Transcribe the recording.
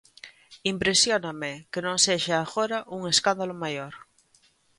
Impresióname que non sexa agora un escándalo maior.